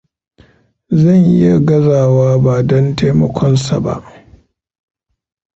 Zan iya gazawa ba don taimakonsa ba.